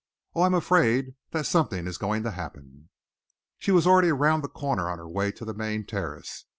Oh, I am afraid that something is going to happen!" She was already round the corner and on her way to the main terrace.